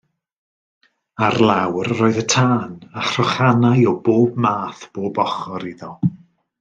Ar lawr yr oedd y tân, a chrochanau o bob math bob ochr iddo.